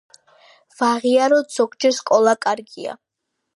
ვაღიაროთ ზოგჯერ სკოლა კარგია